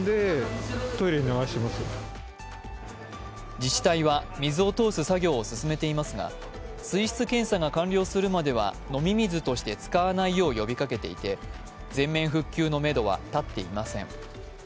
自治体は水を通す作業を進めていますが、水質検査が完了するまでは飲み水として使わないよう呼びかけていて全面復旧のめどは立っていません。